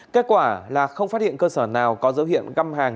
kết quả là không phát hiện cơ sở nào có dấu hiệu găm hàng